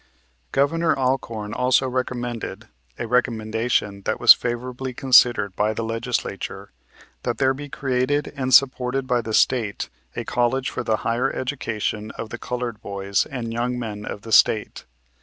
Governor Alcorn also recommended, a recommendation that was favorably considered by the Legislature, that there be created and supported by the State a college for the higher education of the colored boys and young men of the State.